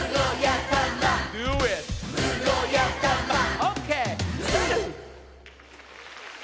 オッケー！